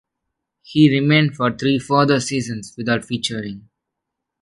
He remained for three further seasons without featuring.